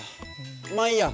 まあいいや。